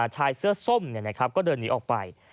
ชายเสื้อส้มเนี่ยนะครับก็เดินหนีออกไป